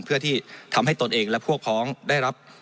เพื่อที่ทำให้ตนเองและพวกพ้องได้รับ